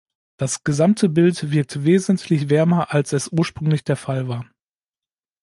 Das gesamte Bild wirkt wesentlich wärmer, als es ursprünglich der Fall war.